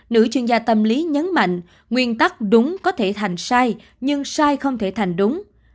nữ chuyên gia tâm lý nhấn mạnh nguyên tắc đúng có thể thành sai nhưng sai không thể thành đúng